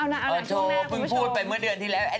แต่ผู้พึงพูดไปเมื่อเดือนที่แล้วกัน